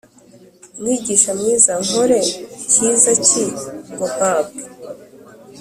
Mwigisha mwiza nkore cyiza ki ngo mpabwe